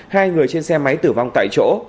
hai người trên xe máy tử vong tại chỗ